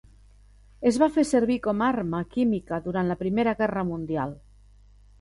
Es va fer servir com arma química durant la Primera Guerra Mundial.